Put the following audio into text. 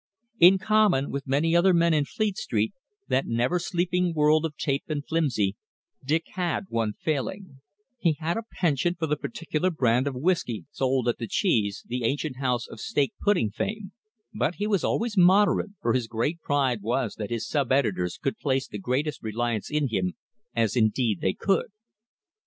In common with many other men in Fleet Street, that never sleeping world of tape and flimsy, Dick had one failing he had a penchant for a particular brand of whisky sold at the Cheese, the ancient house of steak pudding fame, but he was always moderate, for his great pride was that his sub editors could place the greatest reliance in him, as indeed they could.